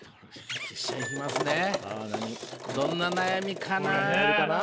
どんな悩みかな？